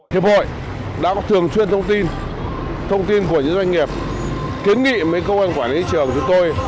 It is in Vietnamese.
hiệp hội đã có thường truyền thông tin thông tin của những doanh nghiệp kiến nghị mấy công an quản lý trường của chúng tôi